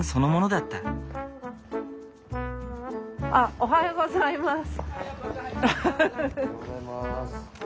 あっ池田さんおはようございます。